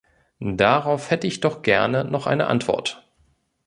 Darauf hätte ich doch gerne noch eine Antwort.